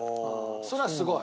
それはすごい。